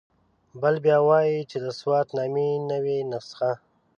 بل بیا وایي چې د سوات نامې نوې نسخه.